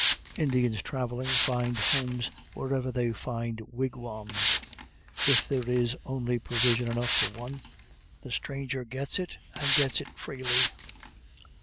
Indians travelling, find homes wherever they find wigwams. If there is only provision enough for one, the stranger gets it, and gets it freely.